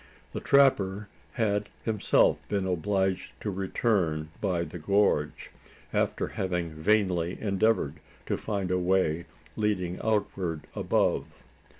The trapper had himself been obliged to return by the gorge after having vainly endeavoured to find a way leading outward above.